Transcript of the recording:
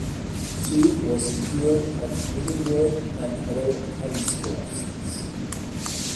She was skilled at needlework and other handcrafts.